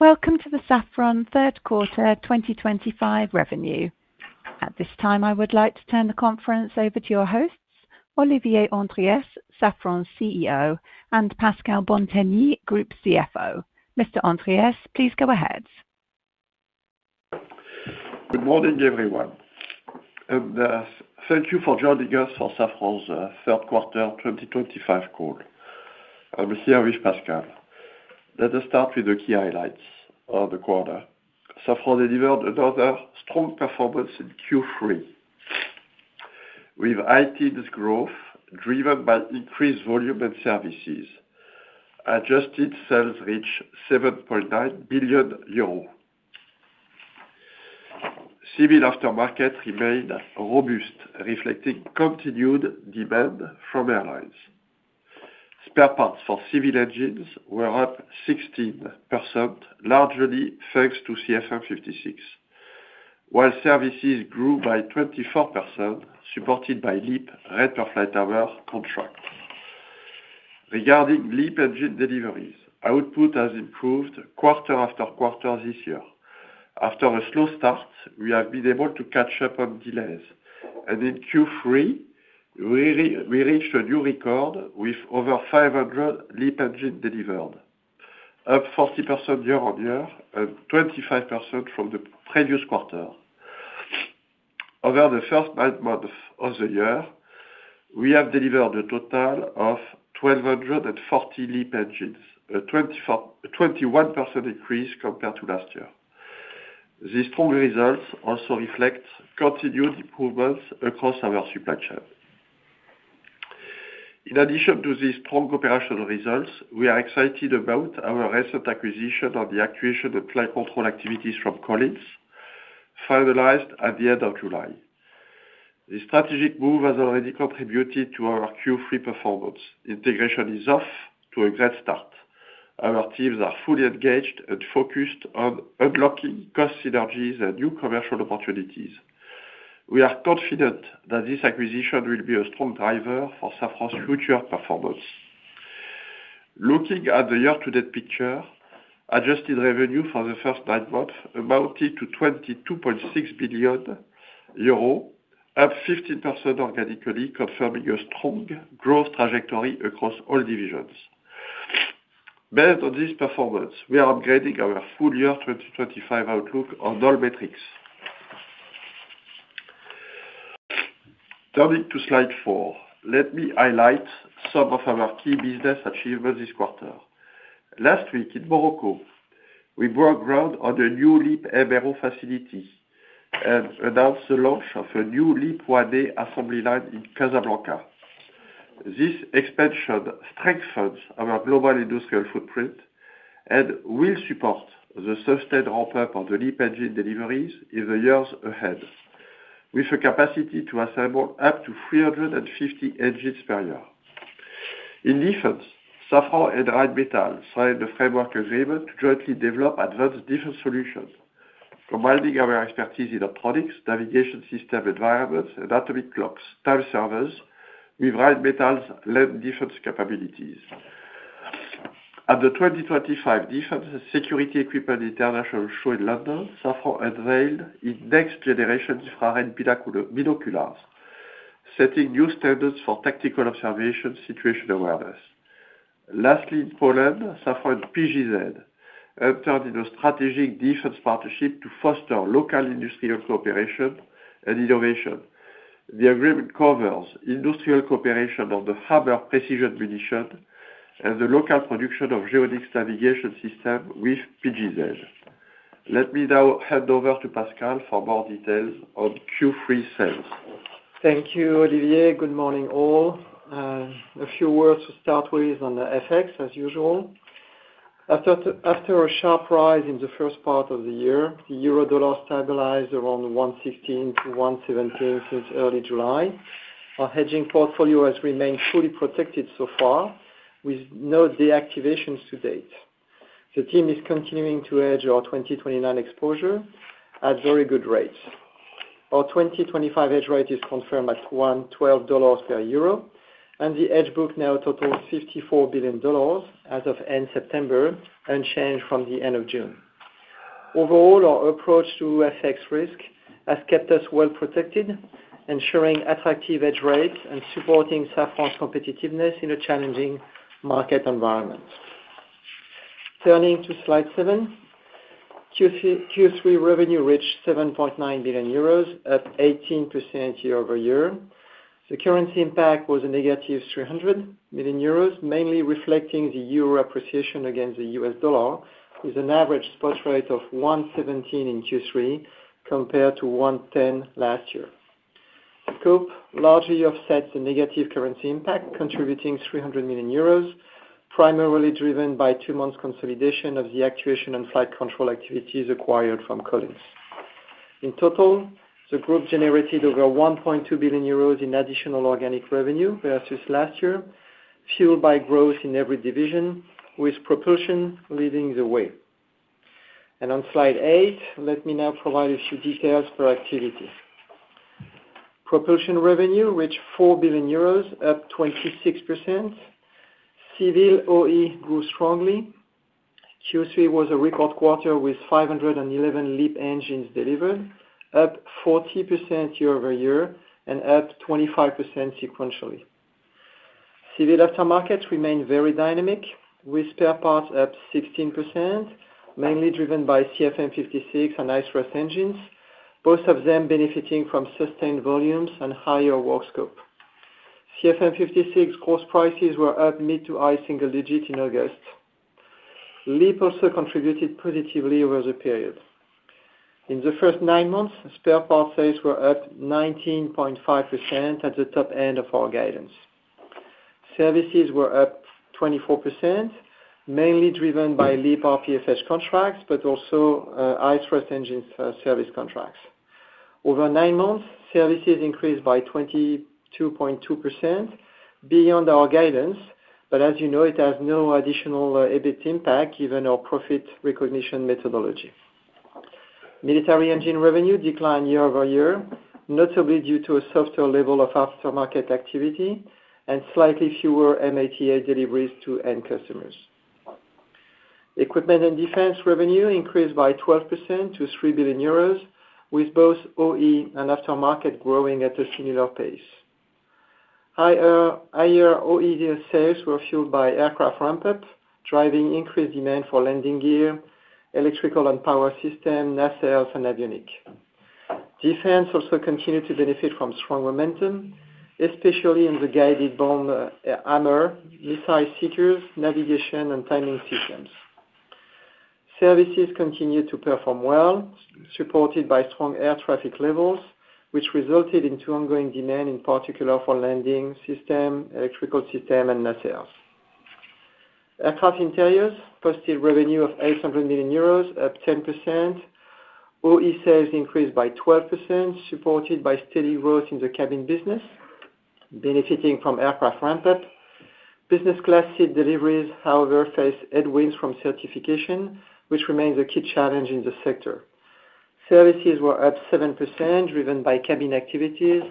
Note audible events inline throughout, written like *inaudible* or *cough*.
Welcome to the Safran Third Quarter 2025 Revenue. At this time, I would like to turn the conference over to your hosts, Olivier Andriès, Safran's CEO, and Pascal Bantegnie, Group CFO. Mr. Andriès, please go ahead. Good morning, everyone. Thank you for joining us for Safran's Third Quarter 2025 call. I'm here with Pascal. Let us start with the key highlights of the quarter. Safran delivered another strong performance in Q3, with IT growth driven by increased volume and services. Adjusted sales reached €7.9 billion. Civil aftermarket remained robust, reflecting continued demand from airlines. Spare parts for civil engines were up 16%, largely thanks to CFM56, while services grew by 24%, supported by LEAP, Red Perfect, Hammer contracts. Regarding LEAP engine deliveries, output has improved quarter after quarter this year. After a slow start, we have been able to catch up on delays, and in Q3, we reached a new record with over 500 LEAP engines delivered, up 40% year on year and 25% from the previous quarter. Over the first nine months of the year, we have delivered a total of 1,240 LEAP engines, a 21% increase compared to last year. These strong results also reflect continued improvements across our supply chain. In addition to these strong operational results, we are excited about our recent acquisition of the actuation and flight control activities from Collins Aerospace, finalized at the end of July. The strategic move has already contributed to our Q3 performance. Integration is off to a great start. Our teams are fully engaged and focused on unlocking cost synergies and new commercial opportunities. We are confident that this acquisition will be a strong driver for Safran's future performance. Looking at the year-to-date picture, adjusted revenue for the first nine months amounted to €22.6 billion, up 15% organically, confirming a strong growth trajectory across all divisions. Based on this performance, we are upgrading our full-year 2025 outlook on all metrics. Turning to slide four, let me highlight some of our key business achievements this quarter. Last week in Morocco, we broke ground on a new LEAP MRO facility and announced the launch of a new LEAP 1A assembly line in Casablanca. This expansion strengthens our global industrial footprint and will support the sustained ramp-up of the LEAP engine deliveries in the years ahead, with the capacity to assemble up to 350 engines per year. In defense, Safran and Rheinmetall signed a framework agreement to jointly develop advanced defense solutions, combining our expertise in optronics, navigation system environments, and atomic clocks, time servers, with Rheinmetall's land defense capabilities. At the 2025 Defense and Security Equipment International Show in London, Safran unveiled its next-generation infrared binoculars, setting new standards for tactical observation and situational awareness. Lastly, in Poland, Safran and PGZ entered into a strategic defense partnership to foster local industrial cooperation and innovation. The agreement covers industrial cooperation on the Hammer precision munition and the local production of GeoDix navigation system with PGZ. Let me now hand over to Pascal for more details on Q3 sales. Thank you, Olivier. Good morning all. A few words to start with on the FX, as usual. After a sharp rise in the first part of the year, the euro-dollar stabilized around 1.16 to 1.17 since early July. Our hedging portfolio has remained fully protected so far, with no deactivations to date. The team is continuing to hedge our 2029 exposure at very good rates. Our 2025 hedge rate is confirmed at $1.12 per euro, and the hedge book now totals $54 billion as of end September, unchanged from the end of June. Overall, our approach to FX risk has kept us well protected, ensuring attractive hedge rates and supporting Safran's competitiveness in a challenging market environment. Turning to slide seven, Q3 revenue reached €7.9 billion, up 18% year over year. The currency impact was a negative €300 million, mainly reflecting the euro appreciation against the U.S. dollar, with an average spot rate of 1.17 in Q3 compared to 1.10 last year. The scope largely offsets the negative currency impact, contributing €300 million, primarily driven by two-month consolidation of the actuation and flight control activities acquired from Collins Aerospace. In total, the group generated over €1.2 billion in additional organic revenue versus last year, fueled by growth in every division, with propulsion leading the way. On slide eight, let me now provide a few details per activity. Propulsion revenue reached €4 billion, up 26%. Civil OE grew strongly. Q3 was a record quarter with 511 LEAP engines delivered, up 40% year over year and up 25% sequentially. Civil aftermarket remained very dynamic, with spare parts up 16%, mainly driven by CFM56 and LEAP engines, both of them benefiting from sustained volumes and higher work scope. CFM56 gross prices were up mid to high single digits in August. LEAP also contributed positively over the period. In the first nine months, spare parts sales were up 19.5% at the top end of our guidance. Services were up 24%, mainly driven by LEAP RPFH contracts, but also LEAP engine service contracts. Over nine months, services increased by 22.2% beyond our guidance, but as you know, it has no additional EBIT impact given our profit recognition methodology. Military engine revenue declined year over year, notably due to a softer level of aftermarket activity and slightly fewer M88 deliveries to end customers. Equipment and defense revenue increased by 12% to €3 billion, with both OE and aftermarket growing at a similar pace. Higher OE sales were fueled by aircraft ramp-up, driving increased demand for landing gear, electrical and power systems, nacelles, and avionics. Defense also continued to benefit from strong momentum, especially in the guided bomb, Hammer, missile seekers, navigation, and timing systems. Services continued to perform well, supported by strong air traffic levels, which resulted in ongoing demand, in particular for landing systems, electrical systems, and nacelles. Aircraft interiors, post-deal revenue of €800 million, up 10%. OE sales increased by 12%, supported by steady growth in the cabin business, benefiting from aircraft ramp-up. Business class seat deliveries, however, faced headwinds from certification, which remains a key challenge in the sector. Services were up 7%, driven by cabin activities,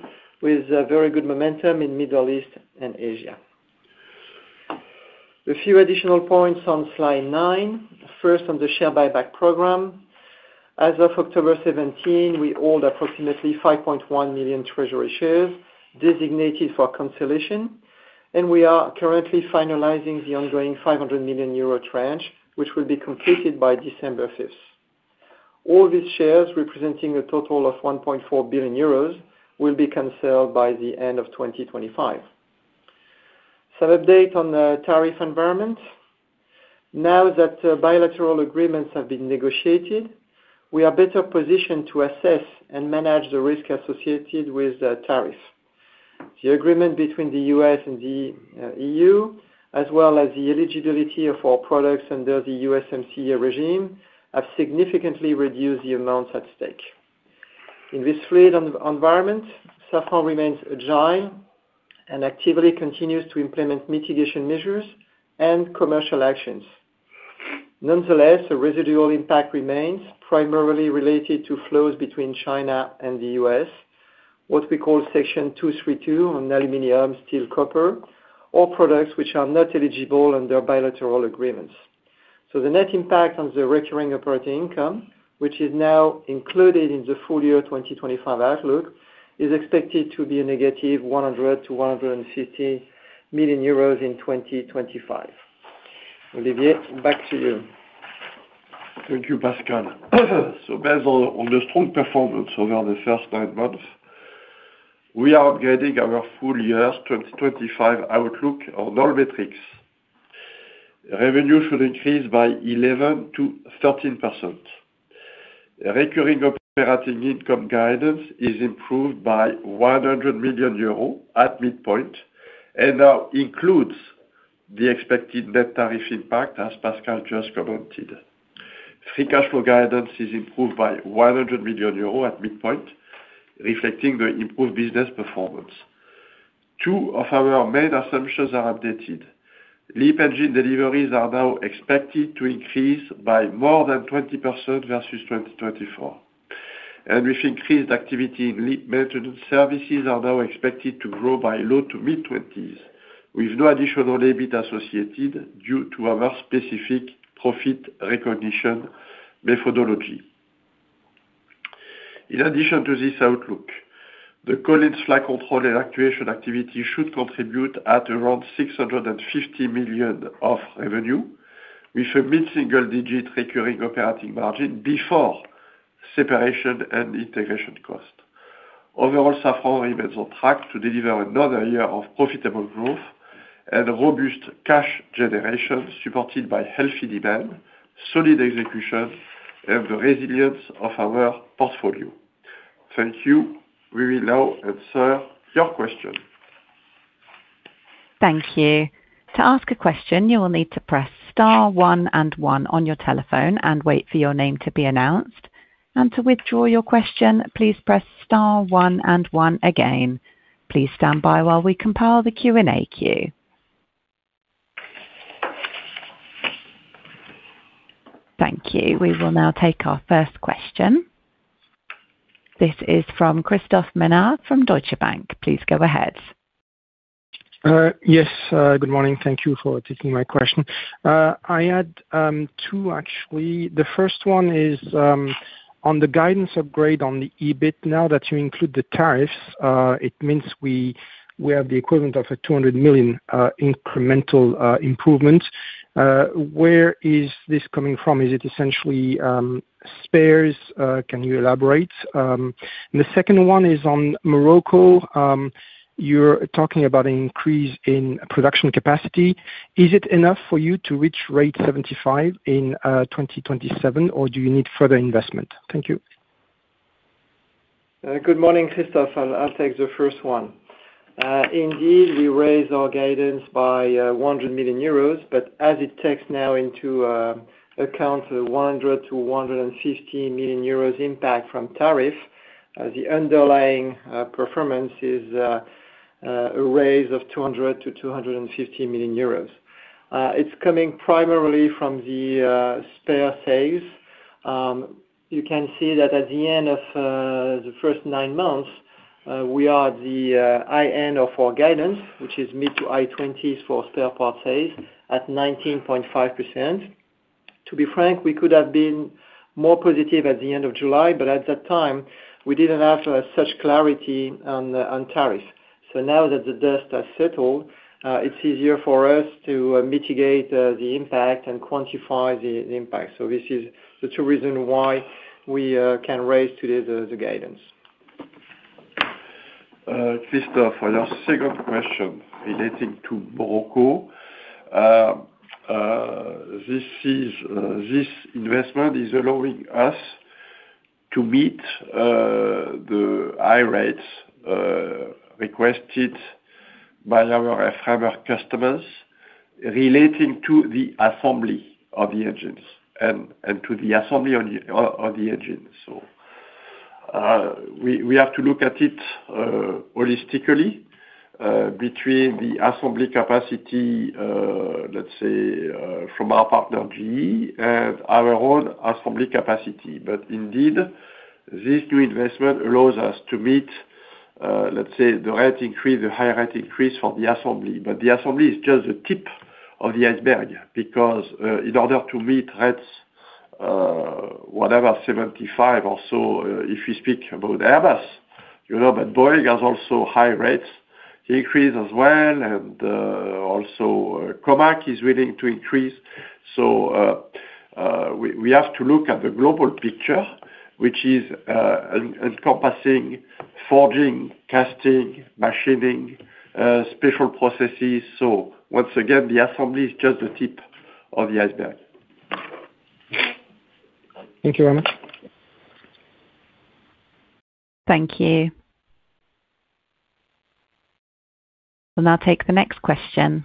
with very good momentum in the Middle East and Asia. A few additional points on slide nine. First, on the share buyback program, as of October 17, we hold approximately 5.1 million treasury shares designated for cancellation, and we are currently finalizing the ongoing €500 million tranche, which will be completed by December 5th. All these shares, representing a total of €1.4 billion, will be canceled by the end of 2025. Some updates on the tariff environment. Now that bilateral agreements have been negotiated, we are better positioned to assess and manage the risk associated with tariffs. The agreement between the U.S. and the EU, as well as the eligibility of our products under the USMCA regime, have significantly reduced the amounts at stake. In this fluid environment, Safran remains agile and actively continues to implement mitigation measures and commercial actions. Nonetheless, a residual impact remains, primarily related to flows between China and the U.S., what we call Section 232 on aluminum, steel, copper, or products which are not eligible under bilateral agreements. The net impact on the recurring operating income, which is now included in the full-year 2025 outlook, is expected to be a negative €100million-€150 million in 2025. Olivier, back to you. Thank you, Pascal. Based on the strong performance over the first nine months, we are upgrading our full-year 2025 outlook on all metrics. Revenue should increase by 11%-13%. Recurring operating income guidance is improved by €100 million at midpoint and now includes the expected net tariff impact, as Pascal just commented. Free cash flow guidance is improved by €100 million at midpoint, reflecting the improved business performance. Two of our main assumptions are updated. LEAP engine deliveries are now expected to increase by more than 20% versus 2024. With increased activity in LEAP, maintenance services are now expected to grow by low to mid-twenties, with no additional EBIT associated due to our specific profit recognition methodology. In addition to this outlook, the Collins Aerospace flight control and actuation activity should contribute at around €650 million of revenue, with a mid-single-digit recurring operating margin before separation and integration costs. Overall, Safran remains on track to deliver another year of profitable growth and robust cash generation, supported by healthy demand, solid execution, and the resilience of our portfolio. Thank you. We will now answer your question. Thank you. To ask a question, you will need to press star one and one on your telephone and wait for your name to be announced. To withdraw your question, please press star one and one again. Please stand by while we compile the Q&A queue. Thank you. We will now take our first question. This is from Christophe Menard from Deutsche Bank. Please go ahead. Yes. Good morning. Thank you for taking my question. I had two, actually. The first one is on the guidance upgrade on the EBIT. Now that you include the tariffs, it means we have the equivalent of a $200 million incremental improvement. Where is this coming from? Is it essentially spares? Can you elaborate? The second one is on Morocco. You're talking about an increase in production capacity. Is it enough for you to reach rate 75 in 2027, or do you need further investment? Thank you. Good morning, Christoph. I'll take the first one. Indeed, we raise our guidance by €100 million, but as it takes now into account the €100-€150 million impact from tariffs, the underlying performance is a raise of €200-€250 million. It's coming primarily from the spare sales. You can see that at the end of the first nine months, we are at the high end of our guidance, which is mid to high twenties for spare parts sales at 19.5%. To be frank, we could have been more positive at the end of July, but at that time, we didn't have such clarity on tariffs. Now that the dust has settled, it's easier for us to mitigate the impact and quantify the impact. This is the two reasons why we can raise today the guidance. Christoph, I have a second question relating to Morocco. This investment is allowing us to meet the high rates requested by our FMR customers relating to the assembly of the engines and to the assembly of the engines. We have to look at it holistically between the assembly capacity, let's say, from our partner GE and our own assembly capacity. Indeed, this new investment allows us to meet, let's say, the rate increase, the high rate increase for the assembly. The assembly is just the tip of the iceberg because in order to meet rates, whatever, 75 or so, if we speak about Airbus, you know, Boeing has also high rates increased as well, and also Comac is willing to increase. We have to look at the global picture, which is encompassing forging, casting, machining, special processes. Once again, the assembly is just the tip of the iceberg. Thank you very much. Thank you. We'll now take the next question.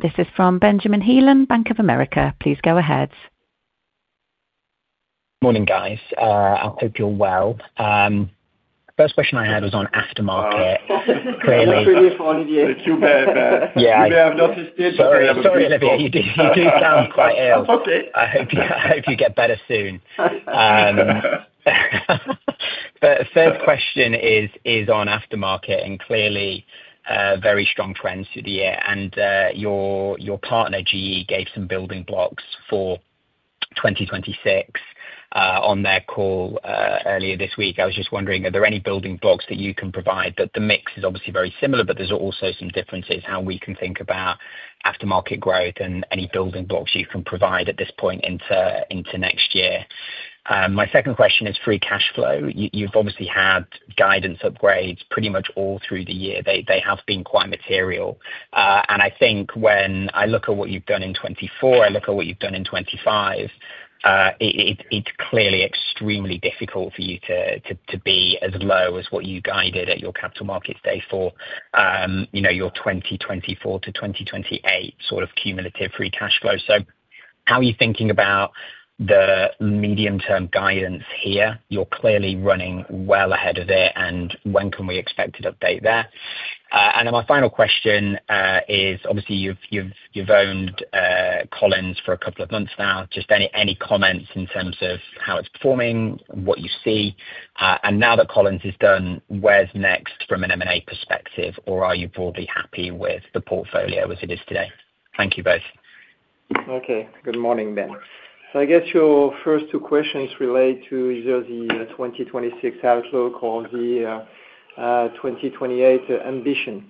This is from Ben Heelan, Bank of America. Please go ahead. Morning, guys. I hope you're well. The first question I had was on aftermarket. Clearly. *crosstalk* Thank you, Ben. You may have noticed it. Sorry, I'm sorry, Olivier. You do sound quite ill. It's okay. I hope you get better soon. The third question is on aftermarket, and clearly, very strong trends through the year. Your partner, GE, gave some building blocks for 2026 on their call earlier this week. I was just wondering, are there any building blocks that you can provide? The mix is obviously very similar, but there's also some differences in how we can think about aftermarket growth and any building blocks you can provide at this point into next year. My second question is free cash flow. You've obviously had guidance upgrades pretty much all through the year. They have been quite material. I think when I look at what you've done in 2024, I look at what you've done in 2025, it's clearly extremely difficult for you to be as low as what you guided at your capital markets day for your 2024-2028 sort of cumulative free cash flow. How are you thinking about the medium-term guidance here? You're clearly running well ahead of it. When can we expect an update there? My final question is, obviously, you've owned Collins Aerospace for a couple of months now. Just any comments in terms of how it's performing, what you see? Now that Collins is done, where's next from an M&A perspective? Or are you broadly happy with the portfolio as it is today? Thank you both. Okay. Good morning, Ben. I guess your first two questions relate to either the 2026 outlook or the 2028 ambition.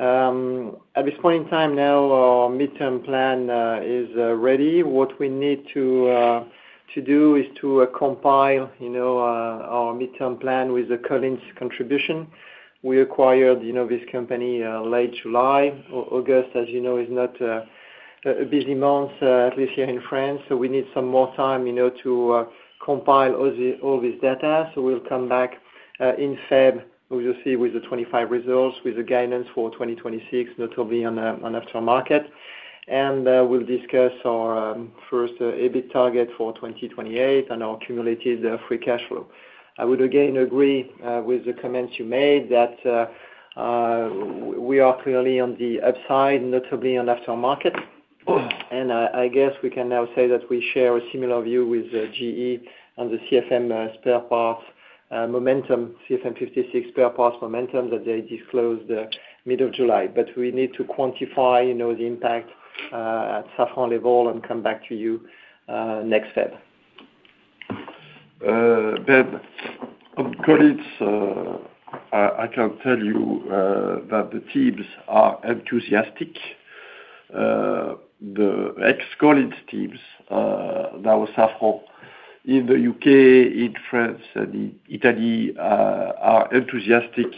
At this point in time, now our midterm plan is ready. What we need to do is to compile our midterm plan with the Collins contribution. We acquired this company late July. August, as you know, is not a busy month, at least here in France. We need some more time to compile all this data. We'll come back in February, obviously, with the 2025 results, with the guidance for 2026, notably on aftermarket. We'll discuss our first EBIT target for 2028 and our cumulative free cash flow. I would again agree with the comments you made that we are clearly on the upside, notably on aftermarket. I guess we can now say that we share a similar view with GE on the CFM spare parts momentum, CFM56 spare parts momentum that they disclosed mid-July. We need to quantify the impact at Safran level and come back to you next February. Ben, on Collins Aerospace, I can tell you that the teams are enthusiastic. The ex-Collins teams that were Safran in the UK, in France, and in Italy are enthusiastic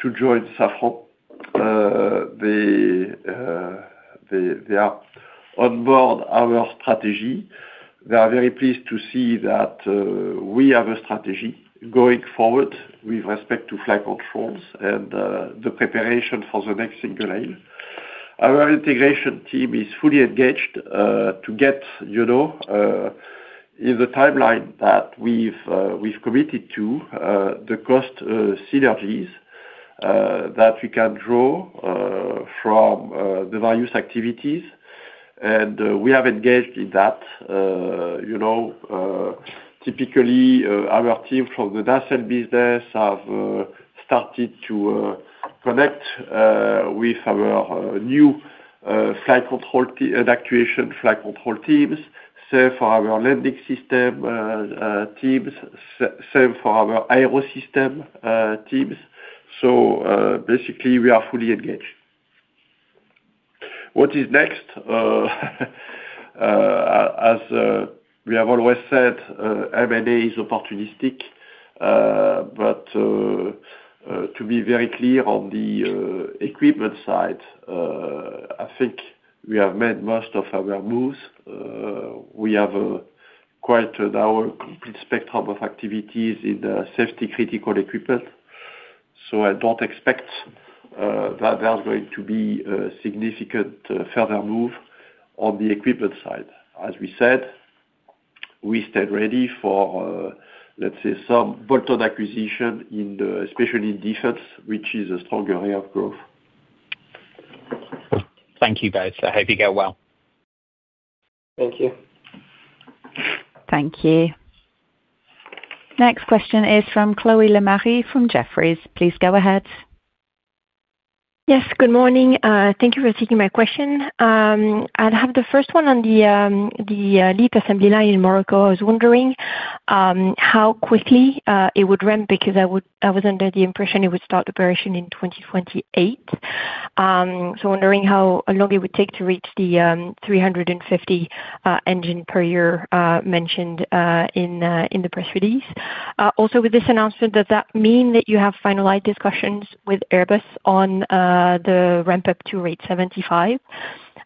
to join Safran. They are on board our strategy. They are very pleased to see that we have a strategy going forward with respect to flight controls and the preparation for the next single aisle. Our integration team is fully engaged to get in the timeline that we've committed to, the cost synergies that we can draw from the various activities. We have engaged in that. Typically, our team from the nacelle business have started to connect with our new flight control and actuation and flight control teams, same for our landing system teams, same for our aerosystem teams. We are fully engaged. What is next? As we have always said, M&A is opportunistic. To be very clear on the equipment side, I think we have made most of our moves. We have quite our complete spectrum of activities in safety-critical equipment. I don't expect that there's going to be a significant further move on the equipment side. As we said, we stand ready for, let's say, some bolt-on acquisition, especially in defense, which is a strong area of growth. Thank you both. I hope you go well. Thank you. Thank you. Next question is from Chloe Lemarie from Jefferies. Please go ahead. Yes. Good morning. Thank you for taking my question. I'd have the first one on the LEAP assembly line in Morocco. I was wondering how quickly it would ramp because I was under the impression it would start operation in 2028. I'm wondering how long it would take to reach the 350 engines per year mentioned in the press release. Also, with this announcement, does that mean that you have finalized discussions with Airbus on the ramp-up to rate 75?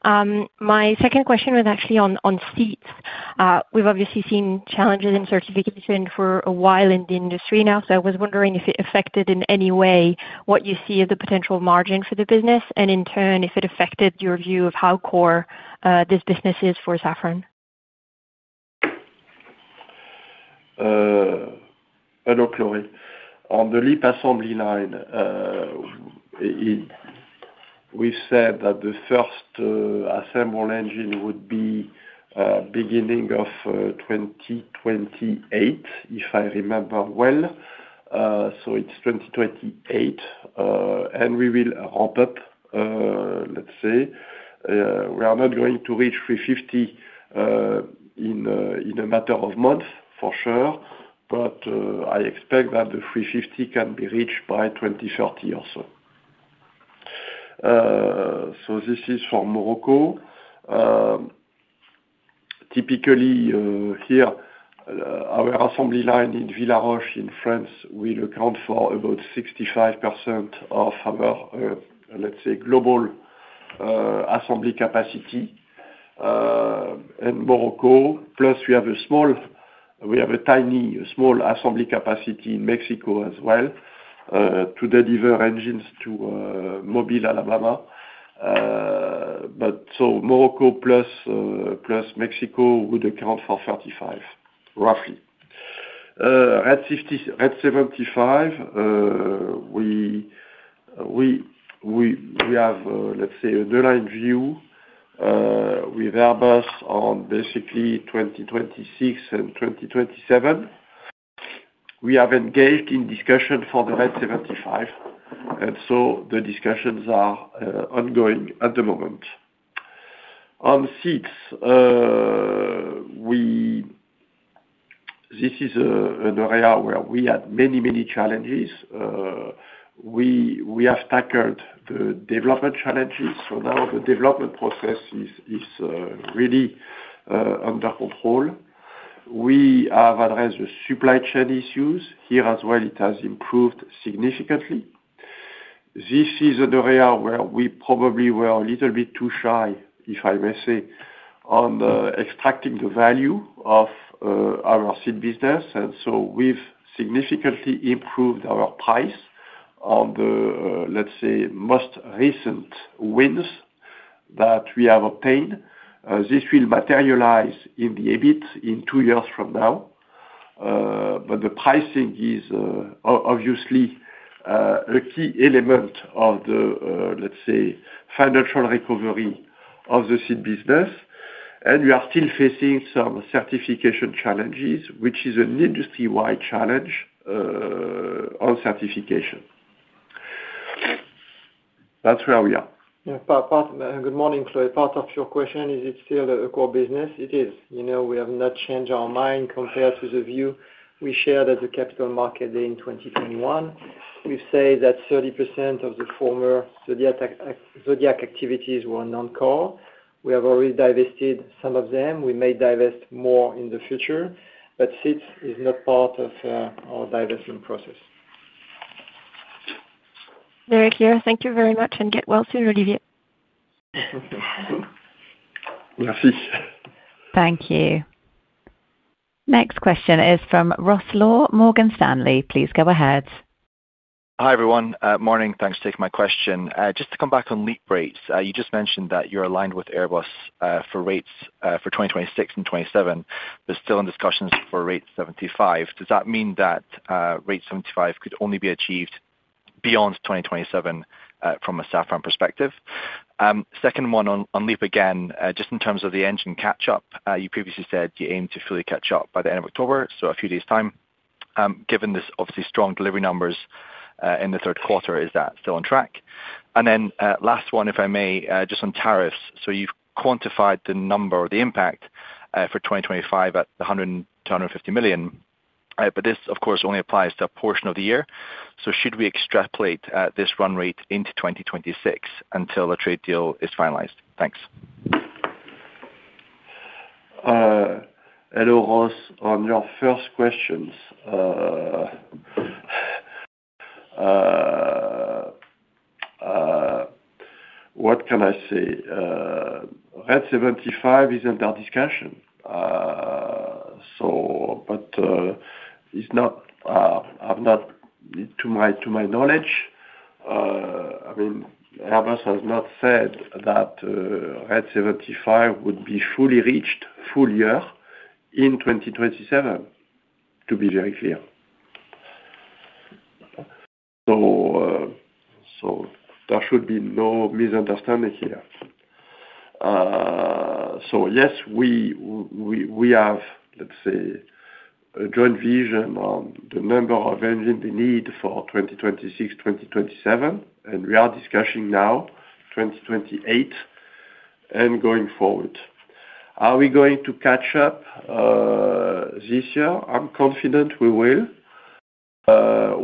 My second question was actually on seats. We've obviously seen challenges in certification for a while in the industry now. I was wondering if it affected in any way what you see as the potential margin for the business, and in turn, if it affected your view of how core this business is for Safran. Hello, Chloe. On the LEAP assembly line, we said that the first assembled engine would be the beginning of 2028, if I remember well. It's 2028. We will ramp up, let's say. We are not going to reach 350 in a matter of months, for sure, but I expect that the 350 can be reached by 2030 or so. This is for Morocco. Typically, here, our assembly line in Villaroche, in France, will account for about 65% of our, let's say, global assembly capacity. Morocco, plus we have a small, we have a tiny, small assembly capacity in Mexico as well to deliver engines to Mobile, Alabama. Morocco plus Mexico would account for 35%, roughly. Rate 75, we have, let's say, a new line view with Airbus on basically 2026 and 2027. We have engaged in discussion for the rate 75. The discussions are ongoing at the moment. On seats, this is an area where we had many, many challenges. We have tackled the development challenges. Now the development process is really under control. We have addressed the supply chain issues. Here as well, it has improved significantly. This is an area where we probably were a little bit too shy, if I may say, on extracting the value of our seat business. We've significantly improved our price on the, let's say, most recent wins that we have obtained. This will materialize in the EBIT in two years from now. The pricing is obviously a key element of the, let's say, financial recovery of the seat business. We are still facing some certification challenges, which is an industry-wide challenge on certification. That's where we are. Yeah. Good morning, Chloe. Part of your question, is it still a core business? It is. You know we have not changed our mind compared to the view we shared at the Capital Market Day in 2021. We've said that 30% of the former Zodiac activities were non-core. We have already divested some of them. We may divest more in the future. Seats is not part of our divestment process. Yeah. Thank you very much, and get well soon, Olivier. Thank you so much. Thank you. Next question is from Ross Law, Morgan Stanley. Please go ahead. Hi, everyone. Morning. Thanks for taking my question. Just to come back on LEAP rates, you just mentioned that you're aligned with Airbus for rates for 2026 and 2027, but still in discussions for rate 75. Does that mean that rate 75 could only be achieved beyond 2027 from a Safran perspective? Second one on LEAP again, just in terms of the engine catch-up, you previously said you aim to fully catch up by the end of October, so a few days' time. Given this, obviously, strong delivery numbers in the third quarter, is that still on track? Last one, if I may, just on tariffs. You've quantified the number or the impact for 2025 at $100 to $150 million. This, of course, only applies to a portion of the year. Should we extrapolate this run rate into 2026 until a trade deal is finalized? Thanks. Hello, Ross. On your first questions, what can I say? Rate 75 is under discussion. I have not, to my knowledge, I mean, Airbus has not said that rate 75 would be fully reached full year in 2027, to be very clear. There should be no misunderstanding here. Yes, we have, let's say, a joint vision on the number of engines we need for 2026, 2027, and we are discussing now 2028 and going forward. Are we going to catch up this year? I'm confident we will.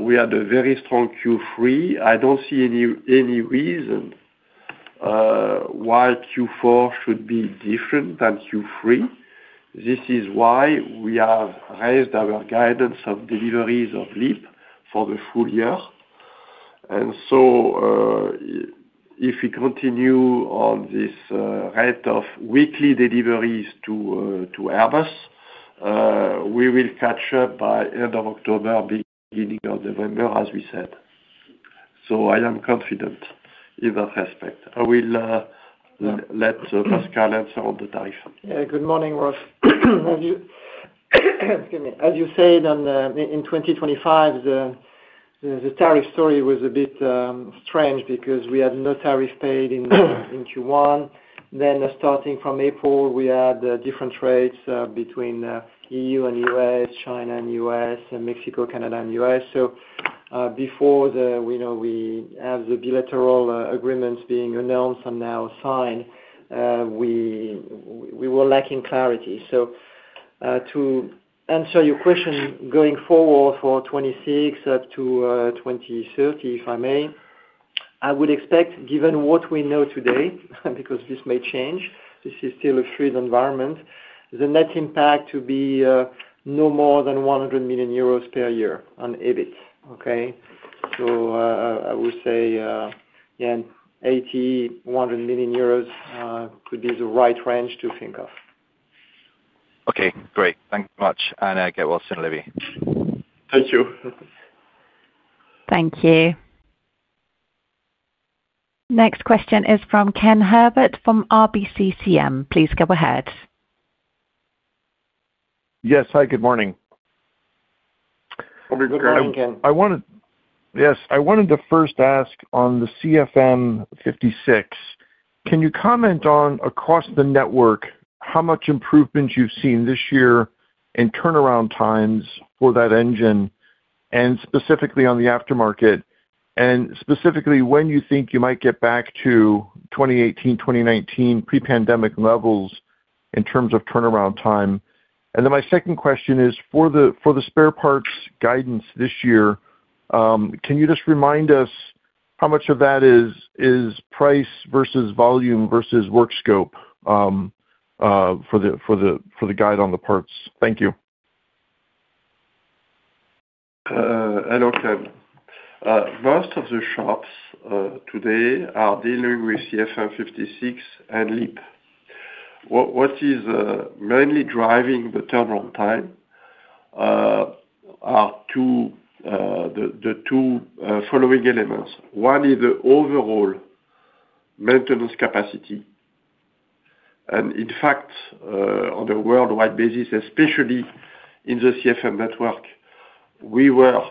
We had a very strong Q3. I don't see any reason why Q4 should be different than Q3. This is why we have raised our guidance of deliveries of LEAP for the full year. If we continue on this rate of weekly deliveries to Airbus, we will catch up by the end of October, beginning of November, as we said. I am confident in that respect. I will let Pascal answer on the tariff. Yeah. Good morning, Ross. As you said, in 2025, the tariff story was a bit strange because we had no tariff paid in Q1. Starting from April, we had different trades between EU and U.S., China and U.S., and Mexico, Canada, and U.S. Before we had the bilateral agreements being announced and now signed, we were lacking clarity. To answer your question, going forward for 2026 up to 2030, if I may, I would expect, given what we know today, because this may change, this is still a fluid environment, the net impact to be no more than €100 million per year on EBIT. Okay? I would say, yeah, €80 million, €100 million, could be the right range to think of. Okay. Great. Thanks so much. Get well soon, Olivier. Thank you. Thank you. Next question is from Ken Herbert from RBC CM. Please go ahead. Yes, hi. Good morning. Morning, Ken. I wanted to first ask on the CFM56, can you comment on across the network how much improvement you've seen this year in turnaround times for that engine, specifically on the aftermarket, and specifically when you think you might get back to 2018, 2019 pre-pandemic levels in terms of turnaround time? My second question is for the spare parts guidance this year, can you just remind us how much of that is price versus volume versus work scope for the guide on the parts? Thank you. Hello, Ken. Most of the shops today are dealing with CFM56 and LEAP. What is mainly driving the turnaround time are the two following elements. One is the overall maintenance capacity. In fact, on a worldwide basis, especially in the CFM network, we were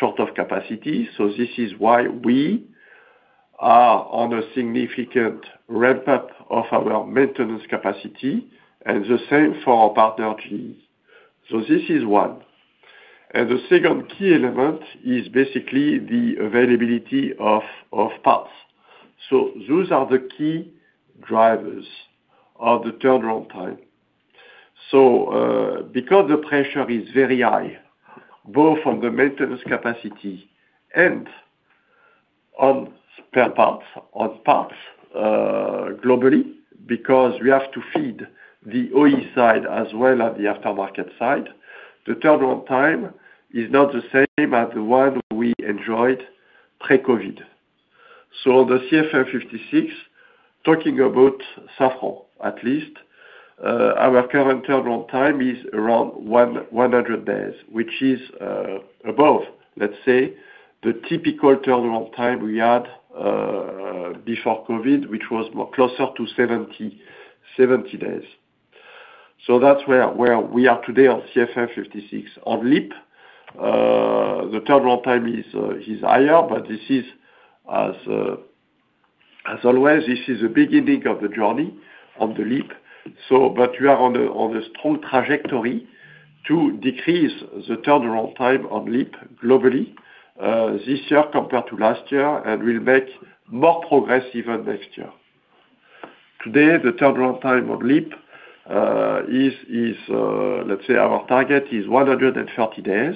short of capacity. This is why we are on a significant ramp-up of our maintenance capacity, and the same for our partner GE. That is one. The second key element is basically the availability of parts. Those are the key drivers of the turnaround time. Because the pressure is very high, both on the maintenance capacity and on spare parts, on parts globally because we have to feed the OE side as well as the aftermarket side, the turnaround time is not the same as the one we enjoyed pre-COVID. On the CFM56, talking about Safran at least, our current turnaround time is around 100 days, which is above, let's say, the typical turnaround time we had before COVID, which was closer to 70 days. That is where we are today on CFM56. On LEAP, the turnaround time is higher, but this is, as always, the beginning of the journey on the LEAP. We are on a strong trajectory to decrease the turnaround time on LEAP globally this year compared to last year and will make more progress even next year. Today, the turnaround time on LEAP, let's say, our target is 130 days.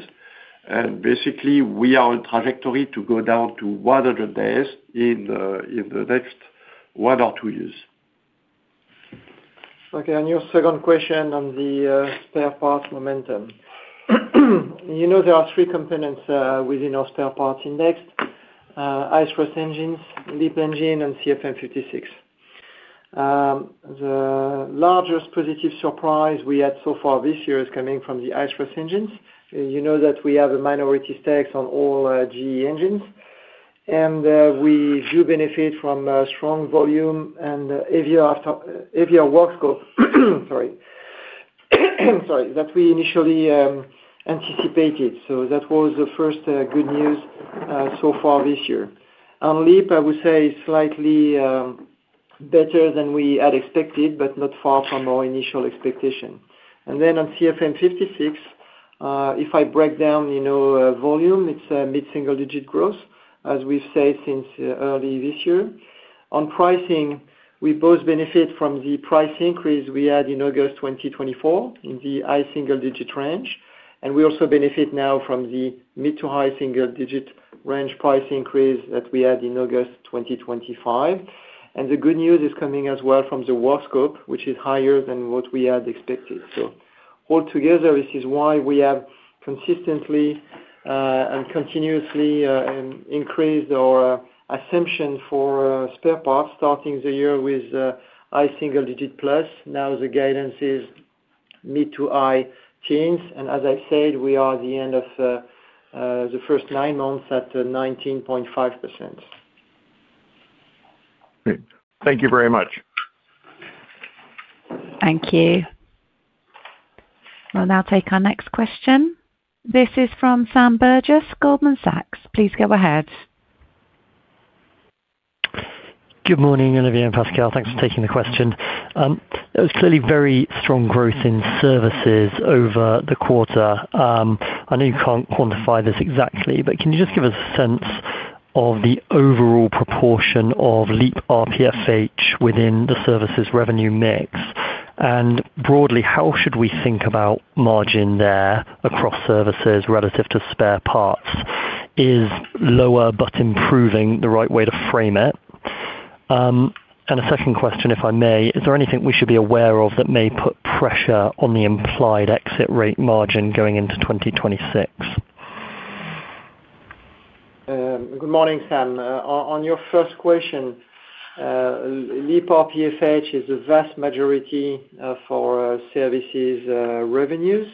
Basically, we are on a trajectory to go down to 100 days in the next one or two years. Okay. Your second question on the spare parts momentum. You know there are three components within our spare parts index: CFM56 engines, LEAP engines, and GE engines. The largest positive surprise we had so far this year is coming from the GE engines. You know that we have a minority stake on all GE engines, and we do benefit from a strong volume and heavier work scope, sorry, than we initially anticipated. That was the first good news so far this year. On LEAP, I would say it's slightly better than we had expected, but not far from our initial expectation. On CFM56, if I break down volume, it's a mid-single-digit growth, as we've said since early this year. On pricing, we both benefit from the price increase we had in August 2024 in the high single-digit range. We also benefit now from the mid to high single-digit range price increase that we had in August 2025. The good news is coming as well from the work scope, which is higher than what we had expected. Altogether, this is why we have consistently and continuously increased our assumption for spare parts, starting the year with high single-digit plus. Now the guidance is mid to high teens. As I said, we are at the end of the first nine months at 19.5%. Great. Thank you very much. Thank you. We'll now take our next question. This is from Sam Burgess, Goldman Sachs. Please go ahead. Good morning, Olivier and Pascal. Thanks for taking the question. There was clearly very strong growth in services over the quarter. I know you can't quantify this exactly, but can you just give us a sense of the overall proportion of LEAP RPFH within the services revenue mix? Broadly, how should we think about margin there across services relative to spare parts? Is lower but improving the right way to frame it? A second question, if I may, is there anything we should be aware of that may put pressure on the implied exit rate margin going into 2026? Good morning, Sam. On your first question, LEAP RPFH is the vast majority for services revenues.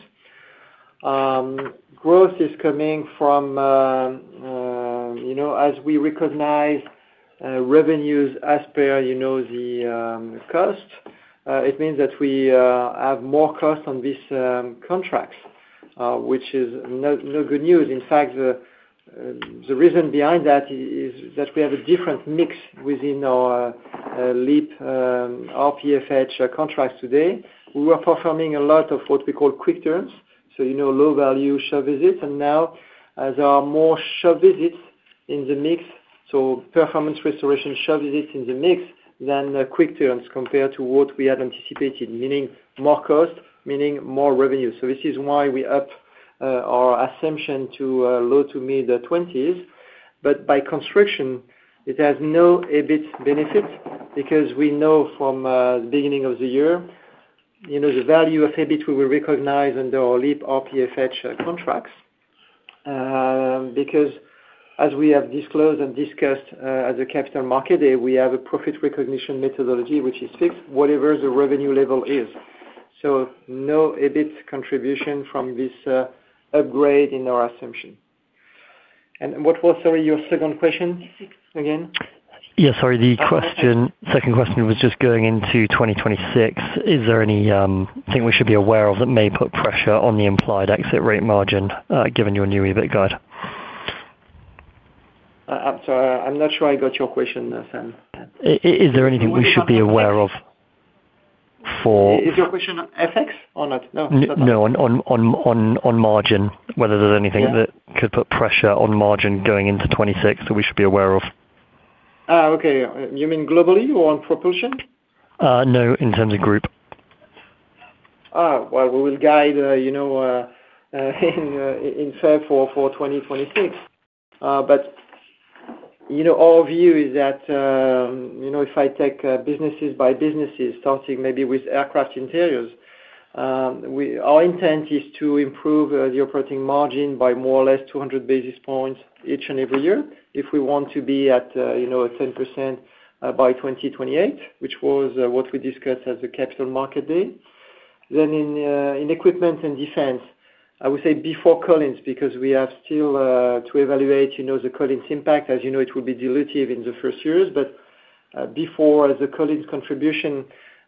Growth is coming from, you know, as we recognize revenues as per the cost. It means that we have more costs on these contracts, which is no good news. In fact, the reason behind that is that we have a different mix within our LEAP RPFH contracts today. We were performing a lot of what we call quick turns, so you know low-value shop visits. Now, as there are more shop visits in the mix, so performance restoration shop visits in the mix than quick turns compared to what we had anticipated, meaning more cost, meaning more revenue. This is why we upped our assumption to low to mid 20s. By construction, it has no EBIT benefit because we know from the beginning of the year, you know, the value of EBIT we will recognize under our LEAP RPFH contracts. As we have disclosed and discussed at the capital market, we have a profit recognition methodology, which is fixed, whatever the revenue level is. No EBIT contribution from this upgrade in our assumption. What was, sorry, your second question again? Sorry. The second question was just going into 2026. Is there anything we should be aware of that may put pressure on the implied exit rate margin given your new EBIT guide? I'm sorry, I'm not sure I got your question, Sam. Is there anything we should be aware of? Is your question FX or not? No, it's not that. No, on margin, whether there's anything that could put pressure on margin going into 2026 that we should be aware of. Okay. You mean globally or on propulsion? No, in terms of group. We will guide in February for 2026. Our view is that, if I take businesses by businesses, starting maybe with aircraft interiors, our intent is to improve the operating margin by more or less 200 basis points each and every year if we want to be at 10% by 2028, which was what we discussed at the Capital Market Day. In equipment and defense, I would say before Collins because we have still to evaluate the Collins impact. As you know, it will be dilutive in the first years. Before the Collins contribution,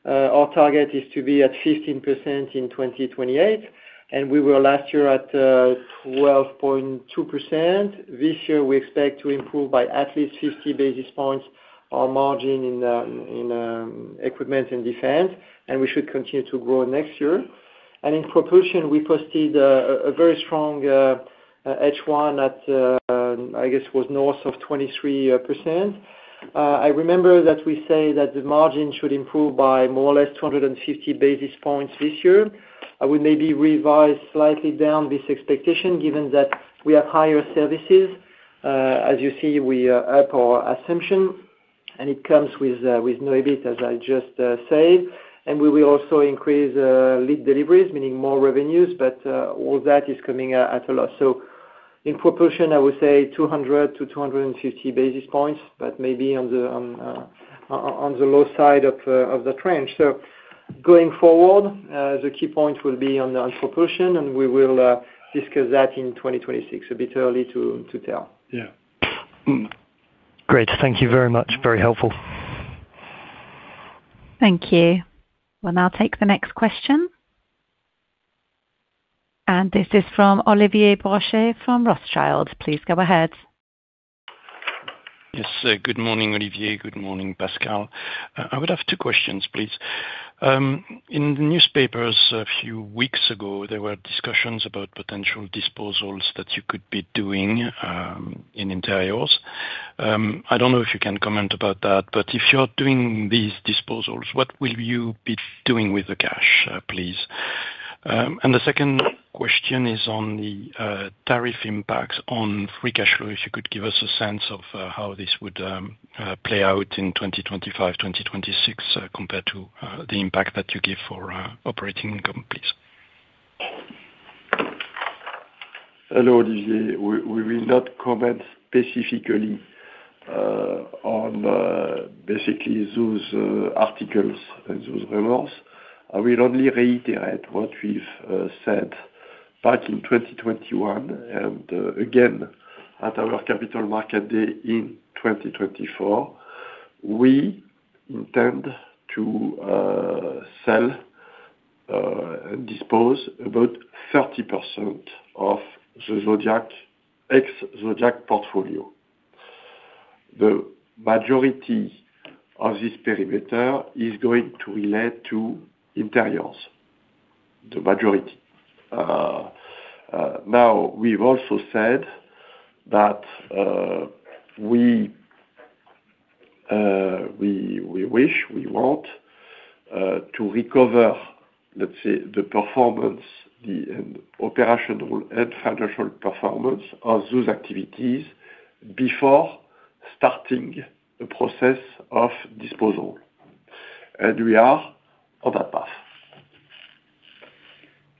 our target is to be at 15% in 2028. We were last year at 12.2%. This year, we expect to improve by at least 50 basis points our margin in equipment and defense. We should continue to grow next year. In propulsion, we posted a very strong H1 at, I guess, it was north of 23%. I remember that we say that the margin should improve by more or less 250 basis points this year. I would maybe revise slightly down this expectation given that we have higher services. As you see, we up our assumption, and it comes with no EBIT, as I just said. We will also increase LEAP deliveries, meaning more revenues, but all that is coming at a loss. In propulsion, I would say 200-250 basis points, but maybe on the low side of the range. Going forward, the key point will be on propulsion, and we will discuss that in 2026, a bit early to tell. Yeah, great. Thank you very much. Very helpful. Thank you. We'll now take the next question. This is from Olivier Brochet from Rothschild. Please go ahead. Yes. Good morning, Olivier. Good morning, Pascal. I would have two questions, please. In the newspapers a few weeks ago, there were discussions about potential disposals that you could be doing in interiors. I don't know if you can comment about that, but if you are doing these disposals, what will you be doing with the cash, please? The second question is on the tariff impacts on free cash flow. If you could give us a sense of how this would play out in 2025, 2026, compared to the impact that you give for operating income, please. Hello, Olivier. We will not comment specifically on basically those articles and those remarks. I will only reiterate what we've said back in 2021. At our Capital Market Day in 2024, we intend to sell and dispose about 30% of the ex-Zodiac portfolio. The majority of this perimeter is going to relate to interiors, the majority. We've also said that we wish, we want to recover, let's say, the performance, the operational and financial performance of those activities before starting a process of disposal. We are on that path.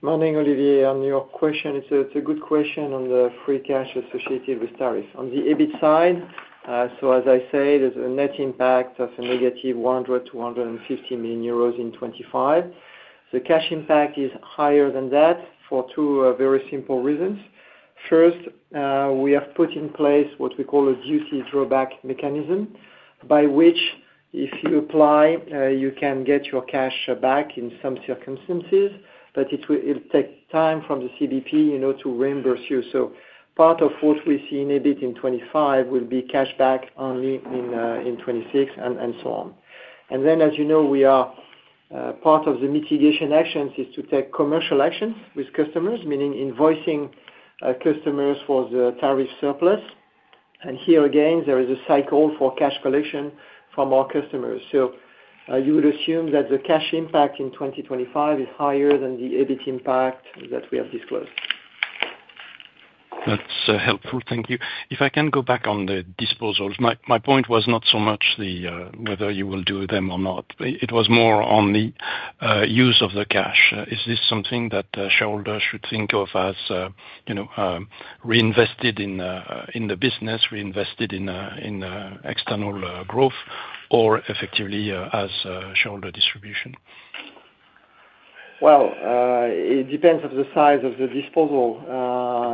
Morning, Olivier. On your question, it's a good question on the free cash associated with tariffs. On the EBIT side, as I said, there's a net impact of a negative €100 million-€150 million in 2025. The cash impact is higher than that for two very simple reasons. First, we have put in place what we call a duty drawback mechanism by which, if you apply, you can get your cash back in some circumstances, but it will take time from the CBP to reimburse you. Part of what we see in EBIT in 2025 will be cash back only in 2026 and so on. As you know, part of the mitigation actions is to take commercial actions with customers, meaning invoicing customers for the tariff surplus. Here again, there is a cycle for cash collection from our customers. You would assume that the cash impact in 2025 is higher than the EBIT impact that we have disclosed. That's helpful. Thank you. If I can go back on the disposals, my point was not so much whether you will do them or not. It was more on the use of the cash. Is this something that shareholders should think of as reinvested in the business, reinvested in external growth, or effectively as shareholder distribution? It depends on the size of the disposal.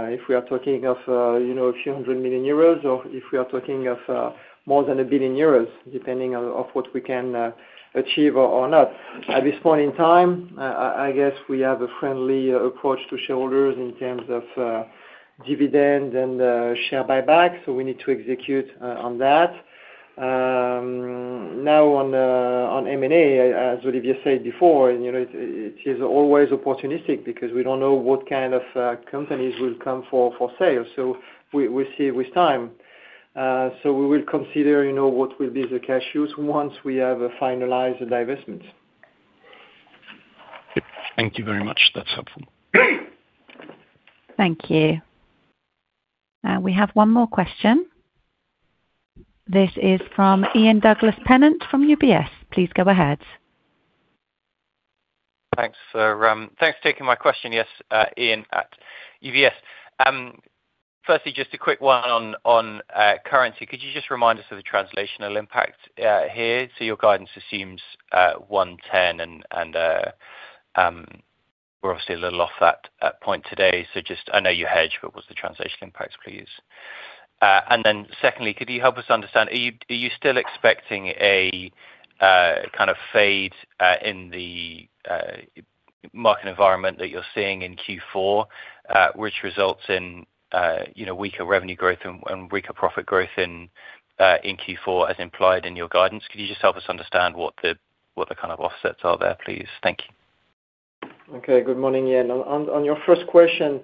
If we are talking of a few hundred million euros or if we are talking of more than a billion euros, depending on what we can achieve or not. At this point in time, I guess we have a friendly approach to shareholders in terms of dividend and share buyback. We need to execute on that. On M&A, as Olivier said before, you know it is always opportunistic because we don't know what kind of companies will come for sale. We will see with time. We will consider what will be the cash use once we have finalized the divestment. Thank you very much. That's helpful. Thank you. We have one more question. This is from Ian Douglas-Pennant from UBS. Please go ahead. Thanks, sir. Thanks for taking my question. Yes, Ian at UBS. Firstly, just a quick one on currency. Could you just remind us of the translational impact here? Your guidance assumes $1.10, and we're obviously a little off that point today. I know you hedge, but what's the translational impacts, please? Secondly, could you help us understand, are you still expecting a kind of fade in the market environment that you're seeing in Q4, which results in weaker revenue growth and weaker profit growth in Q4 as implied in your guidance? Could you just help us understand what the kind of offsets are there, please? Thank you. Okay. Good morning, Ian. On your first question,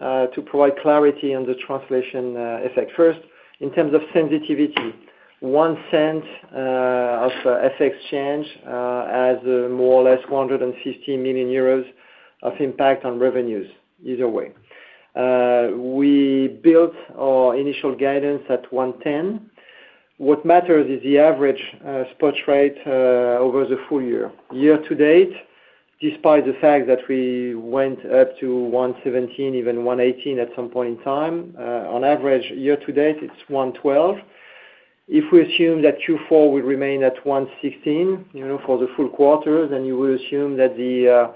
to provide clarity on the translation effect. First, in terms of sensitivity, €0.01 of FX change has more or less €150 million of impact on revenues either way. We built our initial guidance at 1.10. What matters is the average spot rate over the full year. Year to date, despite the fact that we went up to 1.17, even 1.18 at some point in time, on average, year to date, it's 1.12. If we assume that Q4 will remain at 1.16 for the full quarter, you would assume that the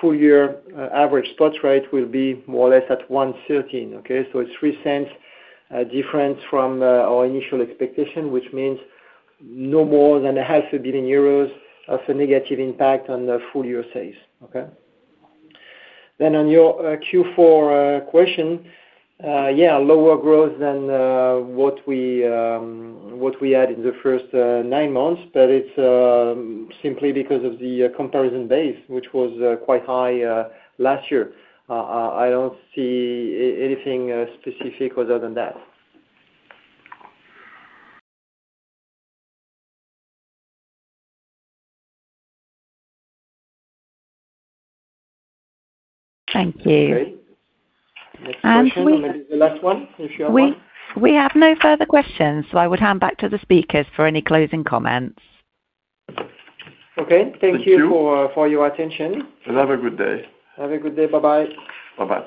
full-year average spot rate will be more or less at 1.13. Okay? It's €0.03 different from our initial expectation, which means no more than €0.5 billion of a negative impact on the full-year sales. On your Q4 question, lower growth than what we had in the first nine months, but it's simply because of the comparison base, which was quite high last year. I don't see anything specific other than that. Thank you. Next question. Maybe the last one, if you have one. We have no further questions, so I would hand back to the speakers for any closing comments. Okay, thank you for your attention. Have a good day. Have a good day. Bye-bye. Bye-bye.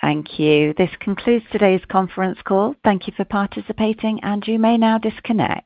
Thank you. This concludes today's conference call. Thank you for participating, and you may now disconnect.